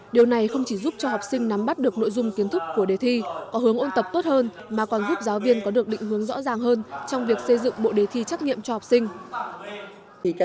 điều này không chỉ giúp cho học sinh nắm bắt được nội dung kiến thức của đề thi có hướng ôn tập tốt hơn mà còn giúp giáo viên có được định hướng rõ ràng hơn trong việc xây dựng bộ đề thi trắc nghiệm cho học sinh